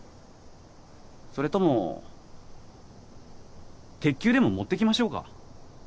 それとも鉄球でも持ってきましょうか？